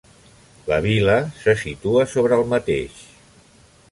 La vila se situa sobre el mateix.